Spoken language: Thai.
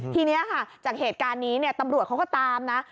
ทีนี้ค่ะจากเหตุการณ์นี้ตำรวจเขาก็ตามนะ